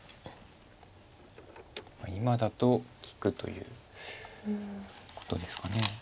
今だと利くということですか。